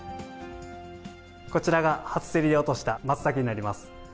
こちらが初競りで落としたマツタケになります。